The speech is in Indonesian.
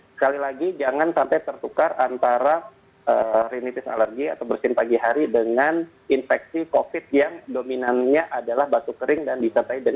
sekali lagi jangan sampai tertukar antara rinitis alergi